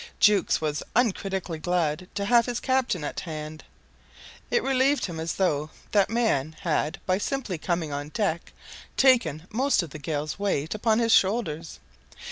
Jukes was uncritically glad to have his captain at hand. It relieved him as though that man had, by simply coming on deck, taken most of the gale's weight upon his shoulders.